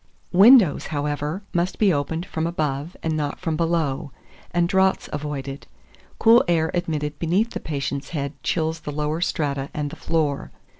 2418. Windows, however, must be opened from above, and not from below, and draughts avoided; cool air admitted beneath the patient's head chills the lower strata and the floor.